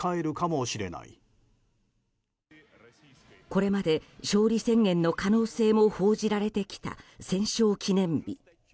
これまで勝利宣言の可能性も報じられてきた戦勝記念日。